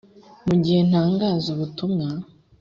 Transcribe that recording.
mu gihe ntangaza ubutumwa